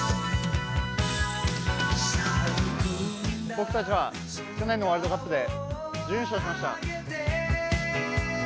僕たちは去年のワールドカップで準優勝しました。